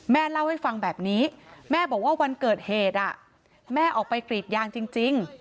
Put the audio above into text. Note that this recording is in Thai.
แม่เล่าให้ฟังแบบนี้แม่บอกว่าวันเกิดเหตุแม่ออกไปกรีดยางจริง